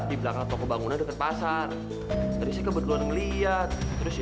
oh iya mamam yang banyak biar cepat gede